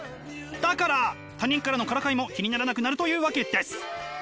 だから他人からのからかいも気にならなくなるというわけです！